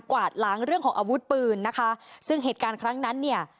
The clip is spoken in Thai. วาดล้างเรื่องของอาวุธปืนนะคะซึ่งเหตุการณ์ครั้งนั้นเนี่ย